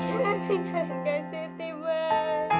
jangan tinggalkan siti mas